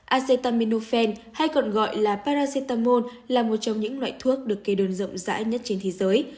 acettaminophen hay còn gọi là paracetamol là một trong những loại thuốc được kê đơn rộng rãi nhất trên thế giới